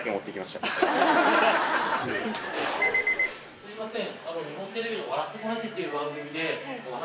すいません。